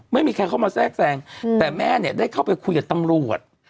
ไม่มีใครเข้ามาแทรกแทรงแต่แม่เนี่ยได้เข้าไปคุยกับตำรวจ